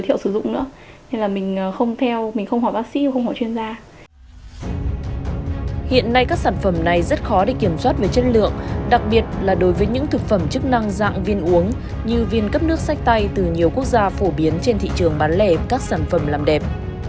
hiện nay các sản phẩm này rất khó để kiểm soát về chất lượng đặc biệt là đối với những thực phẩm chức năng dạng viên uống như viên cấp nước sách tay từ nhiều quốc gia phổ biến trên thị trường bán lẻ các sản phẩm làm đẹp